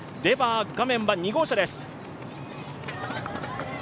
画面は２号車です。